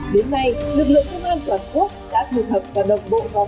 đến nay lực lượng công an toàn quốc đã thu thập và đồng bộ vào hệ thống